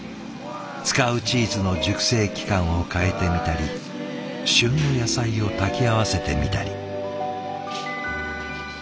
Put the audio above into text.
使うチーズの熟成期間を変えてみたり旬の野菜を炊き合わせてみたり。